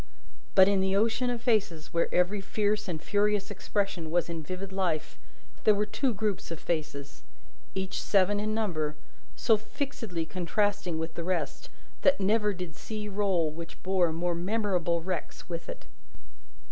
But, in the ocean of faces where every fierce and furious expression was in vivid life, there were two groups of faces each seven in number so fixedly contrasting with the rest, that never did sea roll which bore more memorable wrecks with it.